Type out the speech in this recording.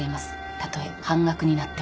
たとえ半額になっても。